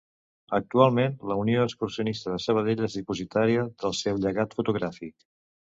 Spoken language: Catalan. Actualment la Unió Excursionista de Sabadell és dipositària del seu llegat fotogràfic.